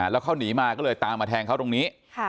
แล้วเขาหนีมาก็เลยตามมาแทงเขาตรงนี้